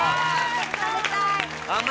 食べたい！